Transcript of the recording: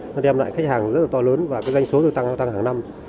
nó đem lại khách hàng rất to lớn và danh số tăng hàng năm